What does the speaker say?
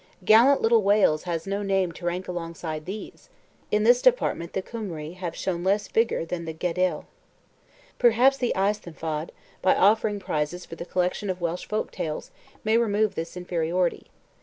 Gallant little Wales has no name to rank alongside these; in this department the Cymru have shown less vigour than the Gaedhel. Perhaps the Eisteddfod, by offering prizes for the collection of Welsh folk tales, may remove this inferiority.